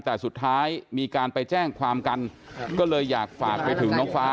แต่สุดท้ายมีการไปแจ้งความกันก็เลยอยากฝากไปถึงน้องฟ้า